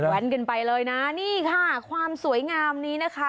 แว้นกันไปเลยนะนี่ค่ะความสวยงามนี้นะคะ